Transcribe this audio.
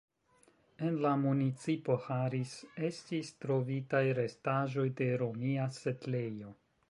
En la municipo Harris estis trovitaj restaĵoj de romia setlejo.